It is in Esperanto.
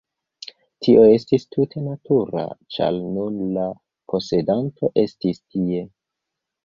Tio estis tute natura, ĉar nun la posedanto estis tie.